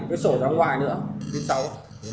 cái sổ ra ngoài nữa bến sáu